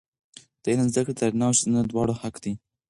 د علم زده کړه د نارینه او ښځینه دواړو حق دی.